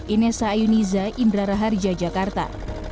inessa ayuniza indra raharja jakarta